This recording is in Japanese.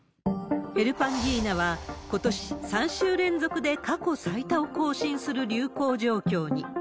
ヘルパンギーナは、ことし３週連続で過去最多を更新する流行状況に。